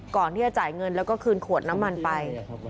ก่อนที่จะจ่ายเงินแล้วก็คืนขวดน้ำมันไป